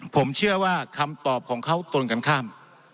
ผมเชื่อว่าคำตอบของเขาตรงกันข้าม